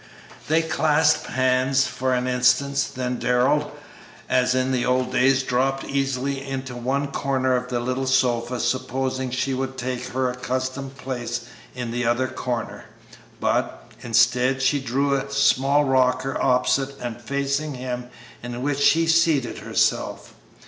They clasped hands for an instant, then Darrell, as in the old days, dropped easily into one corner of the little sofa, supposing she would take her accustomed place in the other corner, but, instead, she drew a small rocker opposite and facing him, in which she seated herself.